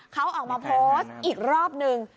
เขาออกมาโพสต์อีกรอบนึง